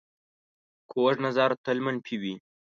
کوږ نظر تل منفي وي